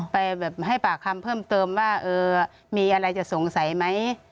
ไปแบบให้ปากคำเพิ่มเติมว่ามีอะไรจะสงสัยไหม